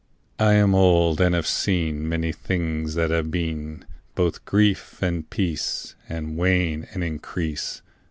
I am old and have seen Many things that have been; Both grief and peace And wane and increase.